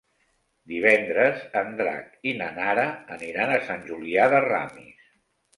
Divendres en Drac i na Nara aniran a Sant Julià de Ramis.